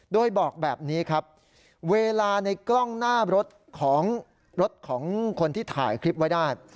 โดยบอกแบบนี้ครับเวลาในกล้องหน้ารถของรถของคนที่ถ่ายคลิปไว้ได้